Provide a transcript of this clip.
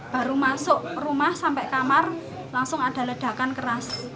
baru masuk rumah sampai kamar langsung ada ledakan keras